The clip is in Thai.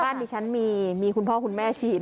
บ้านแบบมีต้อคุณพ่อคุณแม่ฉีด